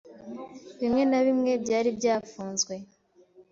bimwe na bimwe byari byafunzwe